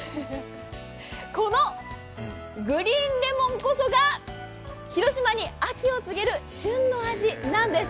このグリーンレモンこそが広島に秋を告げる旬の味なんです。